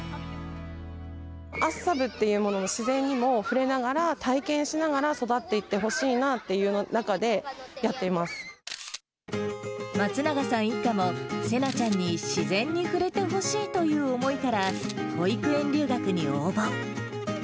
厚沢部というものの自然にも触れながら、体験しながら、育っていってほしいなという中で、松永さん一家も、せなさんに自然に触れてほしいという思いから、保育園留学に応募。